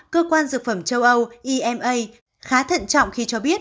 cơ quan dược phẩm châu âu ema khá thận trọng khi cho biết